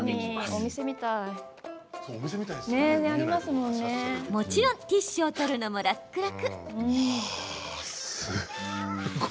もちろんティッシュを取るのも楽々。